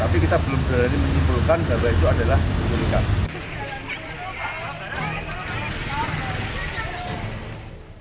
tapi kita belum berani menyimpulkan bahwa itu adalah penyelidikan